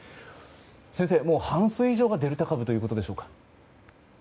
先生、もう半数以上がデルタ株ということでしょうか。